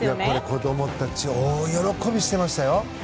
子供たち大喜びしていましたよ。